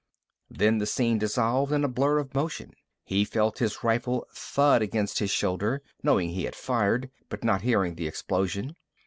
Then the scene dissolved in a blur of motion. He felt his rifle thud against his shoulder, knowing he had fired, but not hearing the explosion.